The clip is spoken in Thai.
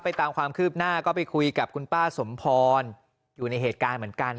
ตามความคืบหน้าก็ไปคุยกับคุณป้าสมพรอยู่ในเหตุการณ์เหมือนกัน